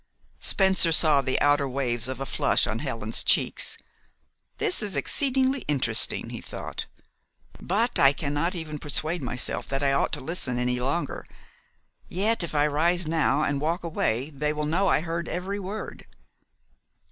Spencer saw the outer waves of a flush on Helen's cheeks. "This is exceedingly interesting," he thought; "but I cannot even persuade myself that I ought to listen any longer. Yet, if I rise now and walk away they will know I heard every word."